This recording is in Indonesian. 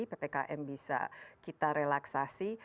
ppkm bisa kita relaksasi